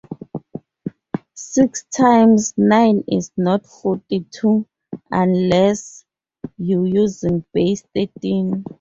Six times nine is not forty-two unless you’re using base thirteen.